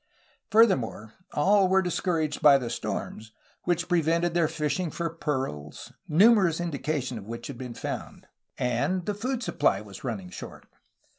Further more, all were discouraged by the storms, which prevented their fishing for pearls, numerous indications of which had been found, and the food supply was running short.